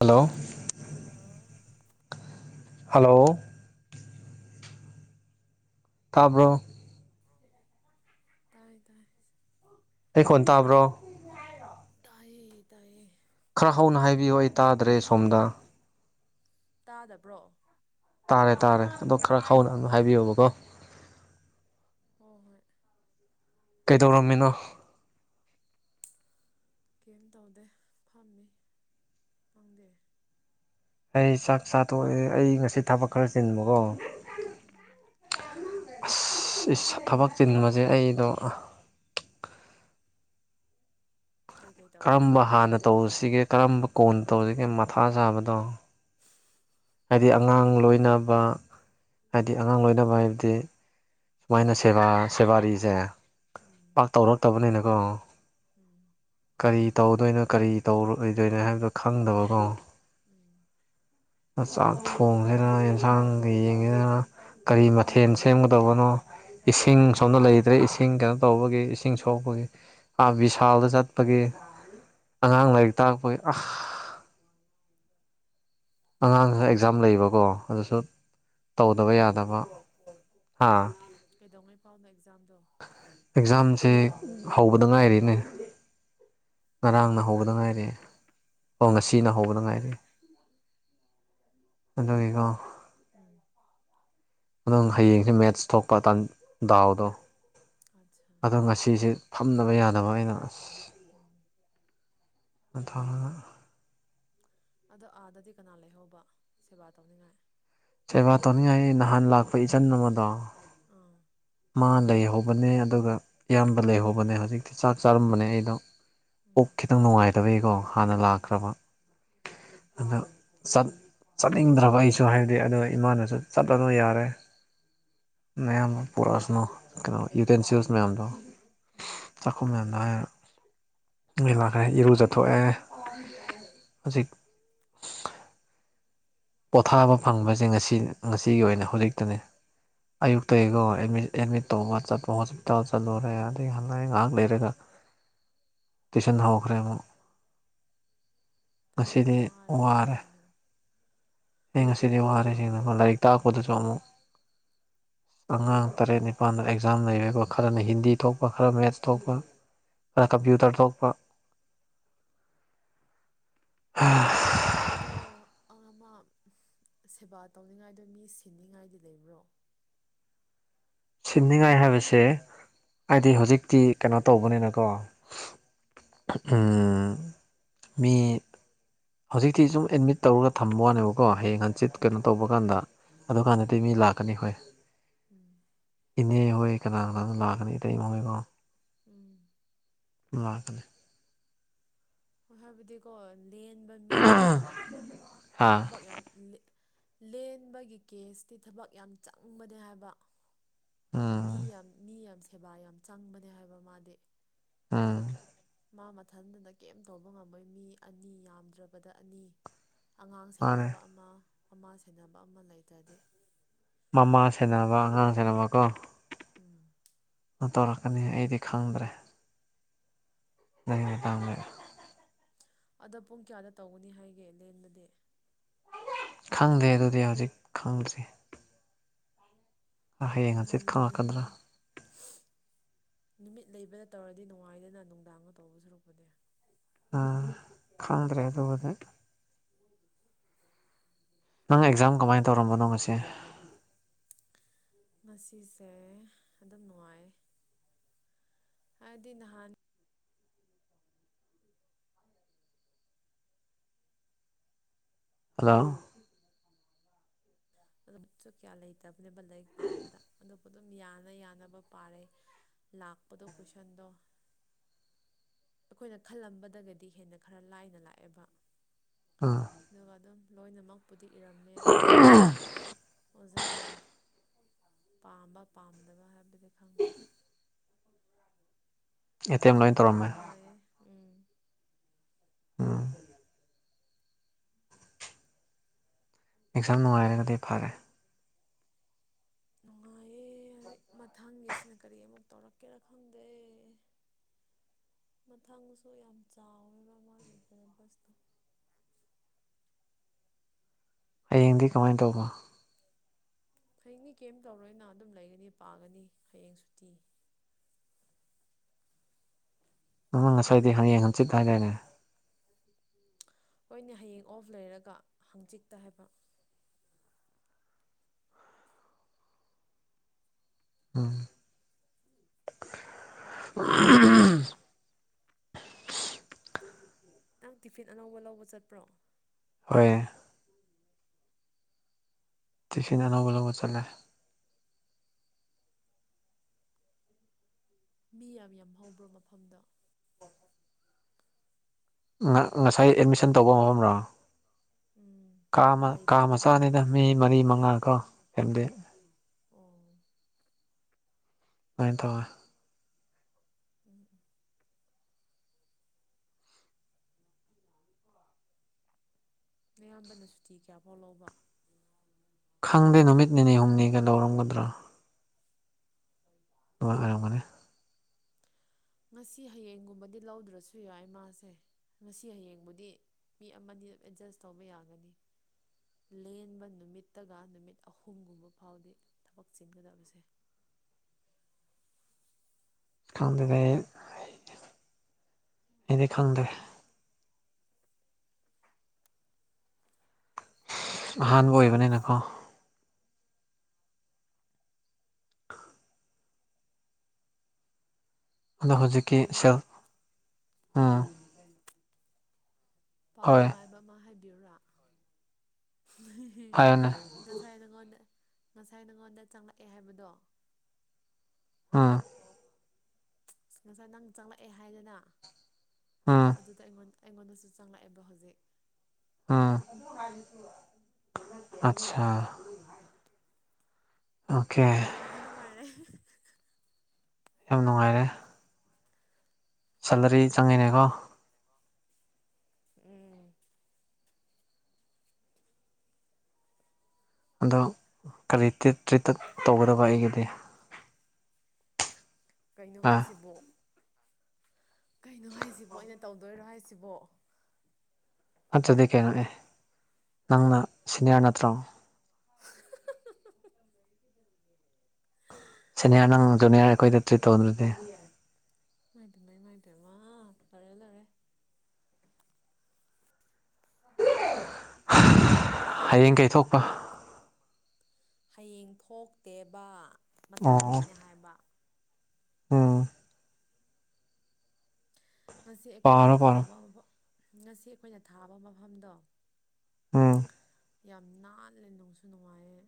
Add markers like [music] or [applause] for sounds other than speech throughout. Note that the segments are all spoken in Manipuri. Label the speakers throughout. Speaker 1: ꯍꯜꯂꯣ
Speaker 2: [inaudible]
Speaker 1: ꯍꯜꯂꯣ ꯇꯥꯕ꯭ꯔꯣ
Speaker 2: ꯇꯥꯏ ꯇꯥꯏ
Speaker 1: ꯑꯩ ꯀꯣꯟ ꯇꯥꯕ꯭ꯔꯣ
Speaker 2: ꯇꯥꯏꯌꯦ ꯇꯥꯏꯌꯦ
Speaker 1: ꯈꯔ ꯍꯧꯅ ꯍꯥꯏꯕꯤꯌꯨ ꯑꯩ ꯇꯥꯗ꯭ꯔꯦ ꯁꯣꯝꯗ
Speaker 2: ꯇꯥꯗꯕ꯭ꯔꯣ
Speaker 1: ꯇꯥꯔꯦ ꯇꯥꯔꯦ ꯑꯗꯣ ꯈꯔ ꯍꯧꯅ ꯑꯗꯨ ꯍꯥꯏꯕꯤꯌꯣꯕꯀꯣ
Speaker 2: ꯍꯣꯏ
Speaker 1: ꯀꯩꯗꯧꯔꯝꯃꯤꯅꯣ
Speaker 2: ꯀꯩꯝ ꯇꯧꯗꯦ ꯐꯝꯃꯤ ꯐꯪꯗꯦ
Speaker 1: ꯑꯩ ꯆꯥꯛ ꯆꯥꯊꯣꯛꯑꯦ ꯑꯩ ꯉꯁꯤ ꯊꯕꯛ ꯈꯔ ꯆꯤꯟꯕꯀꯣ
Speaker 2: ꯎꯝ
Speaker 1: ꯑꯁ ꯊꯕꯛ ꯆꯤꯟꯕꯁꯦ ꯑꯩꯗꯣ
Speaker 2: ꯀꯩꯀꯩ ꯇꯧꯔꯦ
Speaker 1: ꯀꯔꯝꯕ ꯍꯥꯟꯅ ꯇꯧꯁꯤꯒꯦ ꯀꯔꯝꯕ ꯀꯣꯟ ꯇꯧꯁꯤꯒꯦ ꯃꯊꯥ ꯁꯥꯥꯕꯗꯣ ꯍꯥꯏꯗꯤ ꯑꯉꯥꯡ ꯂꯣꯏꯅꯕ ꯍꯥꯏꯗꯤ ꯑꯉꯥꯡ ꯂꯣꯏꯅꯕ ꯍꯥꯏꯕꯗꯤ ꯁꯨꯃꯥꯏꯅ ꯁꯦꯕꯥ ꯁꯦꯕꯥꯔꯤꯁꯦ
Speaker 2: ꯎꯝ
Speaker 1: ꯄꯥꯛ ꯇꯧꯔꯛꯇꯕꯅꯤꯅꯀꯣ
Speaker 2: ꯎꯝ
Speaker 1: ꯀꯔꯤ ꯇꯧꯗꯣꯏꯅꯣ ꯀꯔꯤ ꯇꯧꯔꯣꯏꯗꯣꯏꯅꯣ ꯍꯥꯏꯕꯗꯣ ꯈꯪꯗꯕꯀꯣ
Speaker 2: ꯎꯝ
Speaker 1: ꯆꯥꯛ ꯊꯣꯡꯁꯤꯗꯅ ꯑꯦꯟꯁꯥꯡꯒ ꯌꯦꯡꯁꯤꯗꯅ ꯀꯔꯤ ꯃꯊꯦꯜ ꯁꯦꯝꯒꯗꯕꯅꯣ ꯏꯁꯤꯡ ꯁꯣꯝꯅ ꯂꯩꯇ꯭ꯔꯦ ꯏꯁꯤꯡ ꯀꯩꯅꯣ ꯇꯧꯕꯒꯤ ꯏꯁꯤꯡ ꯁꯣꯛꯄꯒꯤ ꯑꯥ ꯚꯤꯁꯥꯜꯗ ꯆꯠꯄ ꯒꯤ ꯑꯉꯥꯡ ꯂꯥꯏꯔꯤꯛ ꯇꯥꯛꯄꯒꯤ ꯑ ꯑꯉꯥꯡ
Speaker 2: ꯐꯖꯅ
Speaker 1: ꯑꯦꯛꯖꯥꯝ ꯂꯩꯕꯀꯣ ꯑꯗꯨꯁꯨ ꯇꯧꯗꯕ ꯌꯥꯗꯕ
Speaker 2: ꯀꯩꯗꯧꯉꯩꯐꯥꯎ
Speaker 1: ꯍꯥꯥ
Speaker 2: ꯀꯩꯗꯧꯉꯩ ꯐꯥꯎꯅꯣ ꯑꯦꯛꯖꯥꯝꯗꯣ
Speaker 1: ꯑꯦꯛꯖꯥꯝꯁꯦ ꯍꯧꯕꯗ ꯉꯥꯏꯔꯤꯅꯦ ꯉꯔꯥꯡꯅ ꯍꯧꯕꯗ
Speaker 2: ꯎꯝ
Speaker 1: ꯉꯥꯏꯔꯦ ꯑꯣ ꯉꯁꯤꯅ
Speaker 2: ꯎꯝ
Speaker 1: ꯍꯧꯕꯗ ꯉꯥꯏꯔꯦ ꯀꯗꯣꯢꯅꯣ
Speaker 2: ꯎꯝ
Speaker 1: ꯑꯗꯪ
Speaker 2: ꯍꯣ
Speaker 1: ꯍꯌꯦꯡꯁꯦ ꯃꯦꯠꯁ ꯊꯣꯛꯄ ꯗꯥꯎꯗꯣ
Speaker 2: ꯑꯠꯁꯥ
Speaker 1: ꯑꯗꯣ ꯉꯁꯤꯁꯦ ꯐꯝꯗꯅꯕ ꯌꯥꯗꯕ ꯑꯩꯅ
Speaker 2: ꯎꯝ
Speaker 1: ꯑꯗꯨ ꯊꯥꯔꯒ
Speaker 2: ꯑꯗꯣ ꯑꯥꯗꯗꯤ ꯀꯅꯥ ꯂꯩꯍꯧꯕ ꯁꯦꯕꯥ ꯇꯧꯅꯤꯡꯉꯥꯏ
Speaker 1: ꯁꯦꯕꯥ ꯇꯧꯅꯤꯡꯉꯥꯏ ꯅꯍꯥꯟ ꯂꯥꯛꯄ ꯏꯆꯟ ꯑꯃꯗꯣ
Speaker 2: ꯑꯥ
Speaker 1: ꯃꯥ ꯂꯩꯍꯧꯕꯅꯦ ꯑꯗꯨꯒ ꯏꯌꯥꯝꯕ ꯂꯩꯍꯧꯕꯅꯦ ꯍꯧꯖꯤꯛꯇꯤ ꯆꯥꯛ ꯆꯥꯔꯝꯕꯅꯦ ꯑꯩꯗꯣ ꯑꯣꯛ
Speaker 2: ꯎꯝ
Speaker 1: ꯈꯤꯇꯪ ꯅꯨꯡꯉꯥꯏꯇꯕꯒꯤꯀꯣ ꯍꯥꯟꯅ ꯂꯥꯛꯈ꯭ꯔꯕ
Speaker 2: ꯎꯝ ꯑꯣ
Speaker 1: ꯑꯗ ꯆꯠꯅꯤꯡꯗ꯭ꯔꯕ ꯑꯩꯁꯨ ꯍꯥꯏꯕꯗꯤ ꯑꯗꯣ ꯏꯃꯥꯅꯁꯨ ꯆꯠꯂꯅꯨ ꯌꯥꯔꯦ ꯃꯌꯥꯝ ꯑꯃ ꯑꯃ ꯄꯨꯔꯛꯑꯁꯅꯨ ꯀꯩꯅꯣ ꯌꯨꯇꯦꯟꯁꯤꯜꯁ ꯃꯌꯥꯝꯗꯣ
Speaker 2: ꯎꯝ
Speaker 1: ꯆꯥꯛꯈꯨꯝ ꯃꯌꯥꯝꯗꯣ ꯍꯥꯏꯔ ꯃꯦꯂꯈ ꯏꯔꯨ ꯆꯊꯣꯛꯑꯦ ꯍꯧꯖꯤꯛ ꯄꯣꯊꯥꯕ ꯐꯪꯕꯁꯦ ꯉꯁꯤ ꯉꯁꯤꯒꯤ ꯑꯣꯏꯅ ꯍꯧꯖꯤꯛꯇꯅꯤ ꯑꯌꯨꯛꯇꯒꯤ ꯑꯩꯒꯣ ꯑꯦꯗꯃꯤꯠ ꯇꯧꯕꯒ ꯆꯠꯄ ꯍꯣꯁꯄꯤꯇꯥꯜ ꯆꯠꯂꯨꯔꯦ ꯑꯗꯗꯒꯤ ꯍꯥꯟꯅꯛ ꯉꯥꯏꯍꯥꯛ ꯂꯩꯔꯒ
Speaker 2: [inaudible]
Speaker 1: ꯇꯟꯗꯧꯕꯈ꯭ꯔ ꯑꯃ
Speaker 2: ꯐꯖꯅ ꯋꯥꯔꯦꯅꯦ ꯉꯁꯤꯅ
Speaker 1: ꯑꯩ ꯉꯁꯤꯗꯤ ꯋꯥꯔꯤꯔꯦꯁꯤꯅꯀ ꯂꯥꯏꯔꯤꯛ ꯇꯥꯛꯄꯗꯁꯨ ꯑꯃꯨꯛ
Speaker 2: [inaudible]
Speaker 1: ꯑꯉꯥꯡ ꯇꯔꯦꯠ ꯅꯤꯄꯥꯜꯗ ꯑꯦꯛꯖꯥꯝ ꯂꯩꯕ ꯈꯔꯅ ꯍꯤꯟꯗꯤ ꯊꯣꯛꯄ ꯈꯔ ꯃꯦꯠꯁ ꯊꯣꯛꯄ
Speaker 2: ꯎꯝ
Speaker 1: ꯀꯝꯄ꯭ꯌꯨꯇꯔ ꯊꯣꯛꯄ
Speaker 2: ꯑꯗꯣ ꯑꯃ ꯁꯦꯕꯥ ꯇꯧꯅꯤꯡꯉꯥꯏꯗꯣ ꯃꯤ ꯁꯤꯟꯅꯤꯉꯥꯏꯗꯤ ꯂꯩꯕ꯭ꯔꯣ
Speaker 1: ꯁꯤꯟꯅꯤꯉꯥꯏ ꯍꯥꯏꯕꯁꯦ ꯑꯩꯗꯤ ꯍꯧꯖꯤꯛꯇꯤ ꯀꯩꯅꯣ ꯇꯧꯕꯅꯦꯅꯀꯣ ꯃꯤ ꯍꯧꯖꯤꯛꯇꯤ ꯁꯨꯝ ꯑꯦꯗꯃꯤꯠ ꯇꯧꯔꯒ ꯊꯝꯕ ꯋꯥꯅꯦꯕꯀꯣ ꯍꯌꯦ ꯍꯟꯆꯤꯠ ꯀꯩꯅꯣ
Speaker 2: ꯎꯝ
Speaker 1: ꯇꯧꯕ ꯀꯥꯟꯗ ꯑꯗꯨꯀꯥꯟꯗꯗꯤ
Speaker 2: ꯎꯝ
Speaker 1: ꯃꯤ ꯂꯥꯛꯀꯅꯤ ꯍꯣꯏ
Speaker 2: ꯎꯝ
Speaker 1: ꯏꯅꯦ ꯍꯣꯏ ꯀꯅꯥ ꯀꯅꯥ ꯂꯥꯛꯀꯅꯤ ꯏꯇꯩꯃ ꯍꯣꯏ
Speaker 2: ꯎꯝ
Speaker 1: ꯂꯀꯅꯤ
Speaker 2: ꯍꯣꯏ ꯍꯥꯏꯕꯗꯤꯀꯣ ꯂꯦꯟꯕ ꯃꯤꯗꯤ
Speaker 1: ꯍꯥ
Speaker 2: ꯊꯕꯛ ꯌꯥꯝ ꯂꯦꯟꯕꯒꯤ ꯀꯦꯁꯇꯤ ꯊꯕꯛ ꯌꯥꯝ ꯆꯪꯕꯅꯦ ꯍꯥꯏꯕ
Speaker 1: ꯎꯝ
Speaker 2: ꯃꯤ ꯌꯥꯝ ꯃꯤ ꯌꯥꯝ ꯁꯦꯕꯥ ꯌꯥꯝ ꯆꯪꯕꯅꯦ ꯍꯥꯏꯕ ꯃꯥꯗꯤ
Speaker 1: ꯑꯝ
Speaker 2: ꯃꯥ ꯃꯊꯟꯇꯅ ꯀꯦꯝꯝ ꯇꯧꯕ ꯉꯝꯃꯣꯏ ꯃꯤ ꯑꯅꯤ ꯌꯥꯝꯗ꯭ꯔꯕꯗ ꯑꯅꯤ ꯑꯉꯥꯡ
Speaker 1: ꯃꯥꯅꯦ
Speaker 2: ꯁꯦꯟꯅꯕ ꯑꯃ ꯑꯃ ꯁꯦꯟꯅꯕ ꯑꯃ ꯂꯩꯇ꯭ꯔꯗꯤ
Speaker 1: ꯃꯃꯥ ꯁꯦꯟꯅꯕ ꯑꯉꯥꯡ ꯁꯦꯅꯕꯀꯣ
Speaker 2: ꯎꯝ
Speaker 1: ꯇꯧꯔꯛꯀꯅꯤ ꯑꯩꯗꯤ ꯈꯪꯗ꯭ꯔꯦ [inaudible]
Speaker 2: ꯑꯗꯣ ꯄꯨꯡ ꯀꯌꯥꯗ ꯇꯧꯒꯅꯤ ꯍꯥꯏꯒꯦ ꯂꯦꯟꯕꯗꯤ
Speaker 1: ꯈꯪꯗꯦ ꯑꯗꯨꯗꯤ ꯍꯧꯖꯤꯛ ꯈꯪꯗ꯭ꯔꯤ ꯍꯌꯦꯡ ꯍꯪꯆꯤꯠ ꯈꯪꯪꯉꯛꯀꯗ꯭ꯔꯥ
Speaker 2: ꯉꯜꯂꯤꯉꯩ ꯅꯨꯃꯤꯠ ꯂꯩꯕꯅ ꯇꯧꯔꯗꯤ ꯅꯨꯡꯉꯥꯏꯗꯅ ꯅꯨꯡꯗꯥꯡꯒ ꯇꯧꯕ ꯁꯨꯔꯛꯄꯅꯦ
Speaker 1: ꯈꯟꯗ꯭ꯔꯦ ꯑꯗꯨꯒꯗꯤ ꯅꯪ ꯑꯦꯛꯖꯥꯝ ꯀꯃꯥꯏꯅ ꯇꯧꯔꯝꯕꯅꯣ ꯉꯁꯦ
Speaker 2: ꯉꯁꯤꯁꯦ ꯑꯗꯨꯝ ꯅꯨꯡꯉꯥꯏ ꯍꯥꯏꯗꯤ ꯅꯍꯥꯟ
Speaker 1: ꯍꯜꯂꯣ
Speaker 2: ꯑꯗꯨꯁꯨ ꯀꯌꯥ ꯂꯩꯇꯕꯅꯦꯕ ꯂꯥꯏꯔꯤꯛ ꯄꯥꯕꯗ ꯑꯗꯨꯕꯨ ꯑꯗꯨꯝ ꯌꯥꯅ ꯌꯥꯅꯕ ꯄꯥꯔꯦ ꯂꯥꯛꯄꯗꯣ ꯀꯣꯏꯁꯟꯗꯣ ꯑꯩꯈꯣꯏꯅ ꯈꯜꯂꯝꯕꯒꯗꯤ ꯍꯦꯟꯅ ꯈꯔ ꯂꯥꯏꯅ ꯂꯥꯛꯑꯦꯕ
Speaker 1: ꯎꯝ
Speaker 2: ꯑꯗꯨꯒ ꯑꯗꯨꯝ ꯂꯣꯏꯅꯃꯛꯄꯨꯗꯤ ꯏꯔꯝꯃꯦ ꯑꯗꯣ ꯑꯣꯖꯥ ꯅꯝ ꯄꯥꯝꯕ ꯄꯥꯝꯗꯕ ꯍꯥꯏꯕꯗꯤ ꯈꯪꯗ꯭ꯔꯦ
Speaker 1: ꯑꯦꯇꯦꯝ ꯂꯣꯏ
Speaker 2: ꯅꯣꯡꯕꯨꯗꯤ
Speaker 1: ꯇꯧꯔꯝꯃꯦ
Speaker 2: ꯅꯨꯡꯉꯥꯏꯌꯦ ꯎꯝ
Speaker 1: ꯎꯝ ꯃꯤꯛꯁꯥꯔ ꯅꯨꯡꯉꯥꯏꯔꯒꯗꯤ ꯐꯔꯦ
Speaker 2: ꯅꯨꯡꯉꯥꯢꯌꯦ ꯑꯦ ꯍꯧꯖꯤꯛ ꯃꯊꯪꯒꯤꯁꯤꯅ ꯀꯔꯤ ꯑꯃꯨꯛ ꯇꯧꯔꯛꯀꯦꯔꯥ ꯈꯪꯗꯦ ꯃꯊꯪꯁꯨ ꯌꯥꯝ ꯆꯥꯎꯋꯦꯕ ꯃꯥꯒꯤ ꯁꯦꯂꯦꯕꯁꯇꯣ
Speaker 1: ꯍꯌꯦꯡꯗꯤ ꯀꯃꯥꯏꯅ ꯇꯧꯕ
Speaker 2: ꯍꯌꯦꯡꯅꯤ ꯀꯩꯝ ꯇꯧꯔꯣꯏꯅ ꯑꯗꯨꯝ ꯂꯩꯒꯅꯤ ꯄꯥꯒꯅꯤ ꯍꯌꯦꯡ ꯁꯨꯇꯤ
Speaker 1: ꯎꯝ ꯉꯁꯥꯏꯗꯤ ꯍꯌꯦꯡ ꯍꯪꯆꯤꯠ ꯍꯥꯏꯗꯥꯢꯅꯦ
Speaker 2: ꯍꯣꯏꯅꯦ ꯍꯌꯦꯡ ꯑꯣꯐ ꯂꯩꯔꯒ ꯍꯪꯆꯤꯛꯇ ꯍꯥꯏꯕ
Speaker 1: ꯎꯝ [unintelligible]
Speaker 2: ꯅꯪ ꯇꯤꯐꯤꯟ ꯑꯅꯧꯕ ꯂꯧꯕ ꯆꯠꯄ꯭ꯔꯣ
Speaker 1: ꯍꯣꯏ ꯇꯤꯐꯤꯟ ꯑꯅꯧꯕ ꯂꯧꯕ ꯆꯂꯦ
Speaker 2: ꯃꯤ ꯌꯥꯝ ꯌꯥꯝ ꯍꯧꯕ꯭ꯔꯣ ꯃꯐꯝꯗ
Speaker 1: ꯉꯁꯥꯏ ꯑꯦꯠꯃꯤꯁꯟ ꯇꯧꯕ ꯃꯐꯝꯔꯣ
Speaker 2: ꯎꯝ
Speaker 1: ꯀꯥ
Speaker 2: ꯍꯥꯏꯕꯗꯤ
Speaker 1: ꯀꯥ
Speaker 2: ꯂꯩꯕ ꯂꯩꯕ
Speaker 1: ꯃꯆꯥꯅꯤꯗ ꯃꯤ ꯃꯔꯤ ꯃꯉꯥ ꯀꯣ ꯁꯦꯝꯗꯦ
Speaker 2: ꯑꯣ
Speaker 1: ꯃꯣꯏ ꯇꯣ
Speaker 2: ꯎꯝ ꯑꯌꯥꯝꯕꯅ ꯁꯨꯇꯤ ꯀꯌꯥꯐꯥꯎ ꯂꯧꯕ
Speaker 1: ꯈꯪꯗꯦ ꯅꯨꯃꯤꯠ ꯅꯤꯅꯤ ꯍꯨꯝꯅꯤꯒ ꯂꯧꯔꯝꯒꯗ꯭ꯔꯥ [unintelligible]
Speaker 2: ꯉꯁꯤ ꯍꯌꯦꯡꯒꯨꯝꯕꯗꯤ ꯂꯧꯗ꯭ꯔꯁꯨ ꯌꯥꯏ ꯃꯥꯁꯦ ꯉꯁꯤ ꯍꯌꯦꯡꯕꯨꯗꯤ ꯃꯤ ꯑꯃꯅꯤ ꯑꯦꯗꯖꯁ ꯇꯧꯕ ꯌꯥꯒꯅꯤ ꯂꯦꯟꯕ ꯅꯨꯃꯤꯠꯇꯒ ꯅꯨꯃꯤꯠ ꯑꯍꯨꯝꯒꯨꯝꯕ ꯐꯥꯎꯗꯤ ꯊꯕꯛ ꯆꯤꯟꯒꯗꯕꯁꯦ [inaudible]
Speaker 1: ꯈꯪꯗꯦꯗ ꯑꯩꯗꯤ ꯈꯪꯗꯦ ꯑꯍꯥꯟꯕ ꯑꯣꯏꯕꯅꯤꯅꯀꯣ ꯑꯗꯣ ꯍꯧꯖꯤꯛꯀꯤ
Speaker 2: ꯄꯥꯎ
Speaker 1: ꯁꯦꯜ
Speaker 2: ꯅꯨꯡꯉꯥꯏ
Speaker 1: ꯎꯝ
Speaker 2: ꯄꯥꯎ
Speaker 1: ꯍꯣꯏ
Speaker 2: ꯅꯨꯡꯉꯥꯏꯕ ꯑꯃ ꯍꯥꯏꯕꯤꯌꯨꯔꯥ
Speaker 1: ꯍꯥꯏꯌꯣꯅꯦ
Speaker 2: ꯉꯁꯥꯏꯗ ꯀꯣꯟꯅ ꯉꯁꯥꯏ ꯅꯉꯣꯟꯗ ꯆꯪꯂꯛꯑꯦ ꯍꯥꯏꯕꯗꯣ
Speaker 1: ꯍꯥꯝ
Speaker 2: ꯉꯁꯥꯏ ꯅꯪ ꯆꯪꯂꯛꯑꯦ ꯍꯥꯏꯗꯅ
Speaker 1: ꯎꯝ
Speaker 2: ꯑꯗꯨꯗ ꯑꯩꯉꯣꯟꯗ ꯑꯩꯉꯣꯟꯗꯁꯨ ꯆꯪꯂꯛꯑꯦꯕ ꯍꯧꯖꯤꯛ
Speaker 1: ꯎꯝ ꯑꯆꯁꯥ
Speaker 2: ꯅꯨꯡꯉꯥꯏꯔꯦ ꯅꯨꯡꯉꯥꯏꯔꯦ
Speaker 1: ꯌꯥꯝ ꯅꯨꯡꯉꯥꯏꯔꯦ ꯁꯦꯂꯔꯤ
Speaker 2: ꯅꯨꯡꯉꯥꯏꯔꯦ
Speaker 1: ꯆꯪꯉꯤꯅꯦꯀꯣ
Speaker 2: ꯅꯨꯡꯉꯥꯏꯔꯦ ꯎꯝ
Speaker 1: ꯑꯗꯣ ꯀꯔꯤ ꯇ꯭ꯔꯤꯠꯇ ꯇꯧꯒꯗꯕ ꯑꯩꯒꯤꯗꯤ
Speaker 2: ꯀꯩꯅꯣ
Speaker 1: ꯑꯥ
Speaker 2: ꯍꯥꯏꯁꯤꯕꯣ ꯀꯩꯅꯣ ꯍꯥꯏꯁꯤꯕꯣ ꯑꯩꯅ ꯇꯧꯗꯣꯏꯔꯣ ꯍꯥꯏꯁꯤꯕꯣ
Speaker 1: ꯃꯠꯇꯗꯤ ꯀꯩꯅ ꯑꯦ ꯅꯪꯅ ꯁꯅꯤꯌꯥꯔꯅ꯭ꯇꯔꯣ
Speaker 2: [inaudible]
Speaker 1: ꯁꯅꯤꯌꯥꯔ ꯅꯪꯅ ꯖꯨꯅꯤꯌꯥꯔ ꯑꯩꯀꯣꯏꯗ ꯇ꯭ꯔꯤꯠ ꯇꯧꯗꯧ ꯅꯠꯇꯦ꯫
Speaker 2: ꯃꯥꯏꯗꯤ ꯃꯩ ꯃꯥꯏꯗꯃ ꯂꯩꯔꯦ ꯂꯩꯔꯦ
Speaker 1: ꯍꯌꯦꯡ ꯀꯩꯊꯣꯛꯄ
Speaker 2: ꯍꯌꯦꯡ ꯊꯣꯛꯇꯦꯕ
Speaker 1: ꯑꯣ
Speaker 2: ꯃꯊꯪꯗꯅꯦ ꯍꯥꯏꯕ
Speaker 1: ꯎꯝ
Speaker 2: ꯉꯁꯤ ꯑꯩꯈꯣꯏꯅ
Speaker 1: ꯄꯥꯔꯣ ꯄꯥꯔꯣ
Speaker 2: ꯊꯥꯕ ꯃꯐꯝ ꯉꯁꯤ ꯑꯩꯈꯣꯏꯅ ꯊꯥꯕ ꯃꯐꯝꯗꯣ
Speaker 1: ꯎꯝ
Speaker 2: ꯌꯥꯝ ꯅꯥꯜꯂꯦ ꯅꯨꯡꯁꯨ ꯅꯨꯡꯉꯥꯏꯌꯦ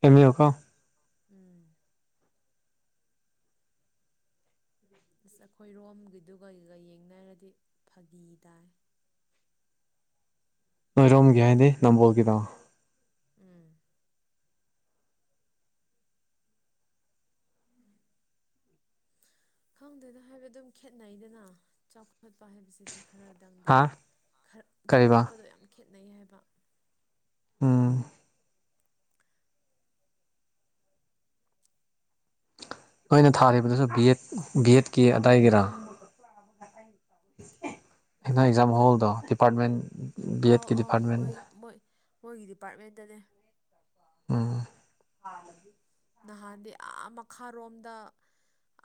Speaker 1: ꯀꯦꯝꯀꯣ
Speaker 2: ꯎꯝ ꯑꯁ ꯑꯩꯈꯣꯏꯔꯣꯝꯒꯤꯗꯨꯒꯒ ꯌꯦꯡꯅꯔꯗꯤ ꯐꯥꯒꯤ ꯇꯥꯏ [inaudible]
Speaker 1: ꯅꫭꯏꯔꯣꯝꯒꯤ ꯍꯥꯏꯗꯤ ꯅꯝꯕꯣꯒꯗ
Speaker 2: ꯎꯝ ꯈꯪꯗꯅ ꯍꯥꯏꯕ ꯑꯗꯨꯝ ꯈꯦꯠꯅꯩꯗꯅ ꯆꯥꯎꯈꯠꯄ ꯍꯥꯏꯕꯁꯤꯗꯤ ꯈꯔꯗꯪꯗꯤ
Speaker 1: ꯍꯥ
Speaker 2: ꯈꯔ
Speaker 1: ꯀꯔꯤꯕ
Speaker 2: ꯆꯥꯎꯈꯠꯄꯗꯣ ꯌꯥꯝ ꯈꯦꯠꯅꯩ ꯍꯥꯏꯕ
Speaker 1: ꯑꯝ ꯅꯣꯏꯅ ꯊꯥꯔꯤꯕꯗꯨꯁꯨ ꯕꯤ ꯑꯦꯠꯀꯤ ꯑꯗꯥꯏꯒꯤꯔꯥ [inaudible] ꯑꯩꯅ
Speaker 2: ꯀꯩꯅꯣ
Speaker 1: ꯑꯦꯛꯖꯥꯝ
Speaker 2: ꯀꯩꯅꯣ
Speaker 1: ꯍꯣꯜꯗ ꯗꯤꯄꯥꯔꯠꯃꯦꯟ ꯕꯤ
Speaker 2: ꯑꯥꯎ
Speaker 1: ꯑꯦꯠꯀꯤ
Speaker 2: ꯑꯥꯎ
Speaker 1: ꯗꯤꯄꯥꯔꯠꯃꯦꯟ
Speaker 2: ꯃꯣꯏ ꯃꯣꯏ ꯃꯣꯏꯒꯤ ꯗꯤꯄꯥꯔꯠꯃꯦꯟꯇꯅꯦ
Speaker 1: ꯎꯝ
Speaker 2: ꯅꯍꯥꯟꯗꯤ ꯑꯥ ꯃꯈꯥꯔꯣꯝꯗ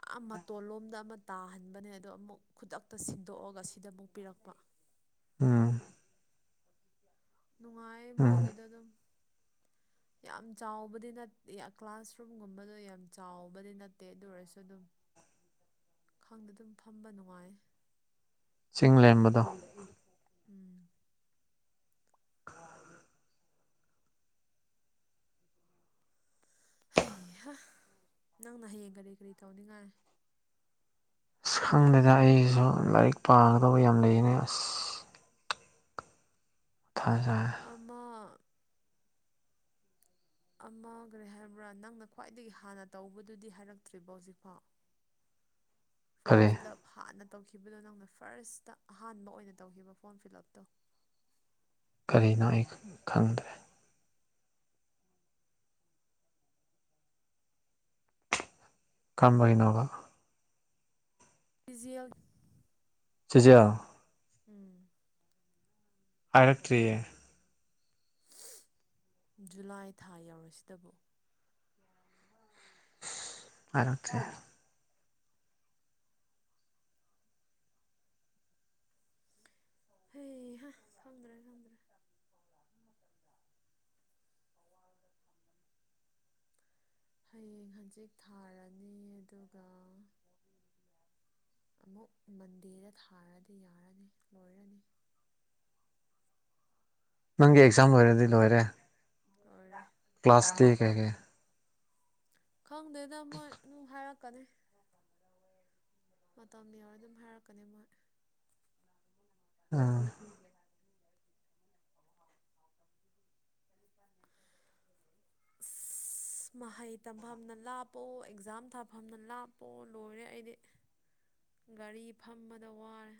Speaker 2: ꯐ ꯃꯇꯣꯟ ꯂꯣꯝꯗ ꯑꯃ ꯇꯥꯍꯟꯕꯅꯦ ꯑꯗꯣ ꯑꯃꯨꯛ ꯈꯨꯗꯛꯇ ꯁꯤꯟꯗꯣꯛꯑꯒ ꯁꯤꯗ ꯑꯃꯨꯛ ꯄꯤꯔꯛꯄ
Speaker 1: ꯑꯝ
Speaker 2: ꯅꯨꯡꯉꯥꯏꯌꯦ ꯃꯣꯏꯒꯤꯗ ꯑꯗꯨꯝ ꯌꯥꯝ ꯆꯥꯎꯕꯗꯤ ꯀ꯭ꯂꯥꯁꯔꯨꯝꯒꯨꯝꯕꯗꯣ ꯌꯥꯝ ꯆꯥꯎꯕꯗꯤ ꯅꯠꯇꯦ ꯑꯗꯨ ꯑꯣꯏꯔꯁꯨ ꯑꯗꯨꯝ ꯈꯪꯗ ꯑꯗꯨꯝ ꯐꯝꯕ ꯅꯨꯡꯉꯥꯏ
Speaker 1: ꯆꯤꯡ ꯂꯦꯝꯕꯗꯣ
Speaker 2: ꯎꯝ ꯍꯩꯍꯥ ꯅꯪꯅ ꯍꯌꯦꯡ ꯀꯔꯤ ꯀꯔꯤ ꯇꯧꯅꯤꯡꯉꯥꯏ
Speaker 1: ꯑꯁ ꯈꯪꯗꯦꯗ ꯑꯩꯁꯨ ꯂꯥꯏꯔꯤꯛ ꯄꯥꯒꯗꯧꯕ ꯌꯥꯝ ꯂꯩꯅꯦ ꯑꯁ ꯃꯊꯥ ꯁꯥꯏ
Speaker 2: ꯑꯃ ꯑꯃ ꯀꯔꯤ ꯍꯥꯏꯕ꯭ꯔꯥ ꯅꯪꯅ ꯈ꯭ꯋꯥꯏꯗꯒꯤ ꯍꯥꯟꯅ ꯇꯧꯕꯗꯨꯗꯤ ꯍꯥꯏꯔꯛꯇ꯭ꯔꯤꯕꯣ ꯍꯧꯖꯤꯛꯐꯥꯎ ꯐꯣꯝ
Speaker 1: ꯀꯔꯤ
Speaker 2: ꯐꯤꯜꯂꯞ ꯍꯥꯟꯅ ꯇꯧꯈꯤꯕꯗꯣ ꯅꯪꯅ ꯐꯥꯔꯁꯇ ꯑꯍꯥꯟꯕ ꯑꯣꯏꯅ ꯇꯧꯈꯤꯕ ꯐꯣꯔꯝ ꯐꯤꯜ ꯎꯞꯇꯣ
Speaker 1: ꯀꯔꯤꯅꯣ ꯑꯩ ꯈꯪꯗ꯭ꯔꯦ ꯀꯝꯕꯩꯅꯣꯕ
Speaker 2: ꯚꯤꯖꯨꯋꯦꯜ
Speaker 1: ꯆꯖꯤꯌꯥ
Speaker 2: ꯎꯝ
Speaker 1: ꯑꯥꯏꯔꯛꯇ꯭ꯔꯤꯌꯦ
Speaker 2: ꯖꯨꯂꯥꯏ ꯊꯥ ꯌꯧꯔꯁꯤꯇꯕꯨ
Speaker 1: ꯁꯁ ꯍꯥꯏꯔꯛꯇ꯭ꯔꯤ
Speaker 2: ꯍꯩ ꯍꯥ ꯈꯪꯗ꯭ꯔꯦ ꯈꯪꯗ꯭ꯔꯦ ꯍꯌꯦꯡ ꯍꯪꯆꯤꯠ ꯊꯥꯔꯅꯤ ꯑꯗꯨꯒ ꯑꯃꯨꯛ ꯃꯟꯗꯦꯗ ꯊꯥꯔꯗꯤ ꯌꯥꯔꯅꯤ ꯂꯣꯏꯔꯅꯤ ꯑꯟꯑꯣꯗꯤꯕꯜ
Speaker 1: ꯅꯪꯒꯤ ꯑꯦꯛꯖꯥꯝ ꯂꯣꯏꯔꯗꯤ ꯂꯣꯏꯔꯦ
Speaker 2: ꯂꯣꯏꯔꯦ
Speaker 1: ꯀ꯭ꯂꯥꯁꯇꯤ ꯀꯩ ꯀꯩ
Speaker 2: ꯈꯪꯗꯦꯗ ꯃꯣꯏ ꯑꯗꯨꯝ ꯍꯥꯏꯔꯛꯀꯅꯤ ꯃꯇꯝ ꯌꯧꯎꯔꯗꯤ ꯑꯗꯨꯝ ꯍꯥꯏꯔꯛꯀꯅꯤ ꯃꯣꯏ
Speaker 1: ꯑꯥ
Speaker 2: ꯁꯁ ꯑꯁ ꯃꯍꯩ ꯇꯝꯐꯝꯅ ꯂꯥꯞꯄꯣ ꯑꯦꯛꯖꯥꯝ ꯊꯥꯐꯝꯅ ꯂꯥꯞꯄꯣ ꯂꯣꯏꯔꯦ ꯑꯩꯗꯤ ꯒꯥꯔꯤ ꯐꯝꯕꯗ ꯋꯥꯔꯦ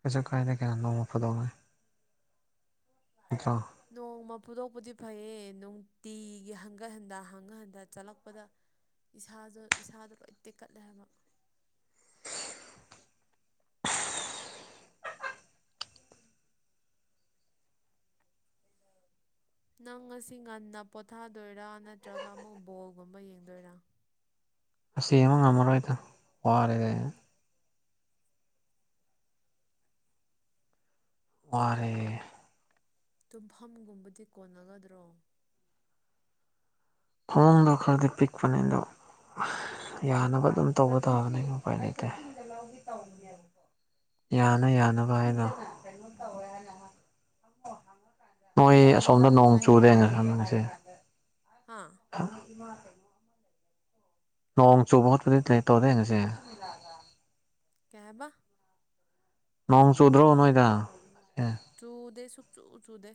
Speaker 1: ꯀꯩꯪꯩꯁꯨ ꯀꯥꯏꯗꯦ ꯅꫭꯡ ꯐꯥꯗꫭꯛꯅꯤ ꯇ꯭ꯔꯣ
Speaker 2: ꯅꯣꯡꯃ ꯐꯨꯗꯣꯛꯄꯗꯤ ꯐꯩꯌꯦ ꯅꯨꯡꯇꯤꯒꯤ ꯍꯪꯒꯠ ꯍꯟꯗ ꯍꯪꯒꯠ ꯍꯟꯗ ꯆꯠꯂꯛꯄꯗ ꯏꯁꯥꯁꯨ ꯏꯁꯥꯗꯣ ꯂꯣꯏ ꯇꯦꯛꯀꯠꯂꯦ ꯍꯥꯏꯕ ꯅꯪ ꯉꯁꯤ ꯉꯟꯅ ꯄꯣꯊꯥꯗꯣꯏꯔꯥ ꯅꯠꯇ꯭ꯔꯒ ꯑꯃꯨꯛ ꯕꯣꯜꯒꯨꯝꯕ ꯌꯦꯡꯗꯣꯏꯔꯥ
Speaker 1: ꯑꯁ ꯌꯦꯡꯕ ꯉꯝꯃꯔꯣꯏꯗ ꯋꯥꯔꯦꯗ ꯋꯥꯔꯦ
Speaker 2: ꯇꯨꯝꯐꯝꯒꯨꯝꯕꯗꯤ ꯀꯣꯟꯅꯒꯗ꯭ꯔꯣ
Speaker 1: ꯐꯃꯨꯡꯗꯣ ꯈꯔꯗꯤ ꯄꯤꯛ ꯄꯅꯦ ꯑꯗꯣ ꯌꯥꯅꯕ ꯑꯗꯨꯝ ꯇꯧꯕ ꯇꯥꯕꯅꯤ ꯎꯄꯥꯏ ꯂꯩꯇꯦ
Speaker 2: ꯎꯝ
Speaker 1: ꯌꯥꯅ ꯌꯥꯅꯕ ꯍꯥꯏꯅ
Speaker 2: ꯎꯝ
Speaker 1: ꯃꯣꯏ
Speaker 2: ꯑꯗ
Speaker 1: ꯑꯁꯣꯝꯗ
Speaker 2: ꯒꯨꯗ
Speaker 1: ꯅꯣꯡ ꯆꯨꯔꯦꯅ
Speaker 2: ꯅꯥꯏꯠꯀꯨꯝꯕꯗꯤ ꯂꯩꯕ꯭ꯔꯣ
Speaker 1: ꯈꯪꯉꯁꯦ
Speaker 2: ꯍꯥ
Speaker 1: ꯂꯣꯡꯣꯡ ꯣꯠ ꯂꯩꯇꯧꯗ ꯉꯁꯤ
Speaker 2: ꯀꯩ ꯍꯥꯏꯕꯥ
Speaker 1: ꯅꯣꯡ ꯆꯧꯗ꯭ꯔꯣ ꯅꯣꯏꯗ ꯑꯦ
Speaker 2: ꯆꯨꯗꯦ ꯁꯨꯛꯆꯨ ꯆꯨꯗꯦ